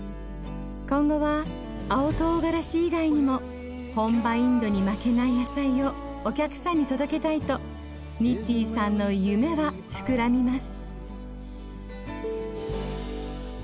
今後は青とうがらし以外にも本場インドに負けない野菜をお客さんに届けたいとニッティンさんの夢は膨らみます。